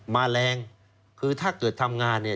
มาแรงคือถ้าเกิดทำงาน